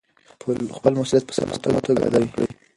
خپل مسؤلیت په سمه توګه ادا کړئ.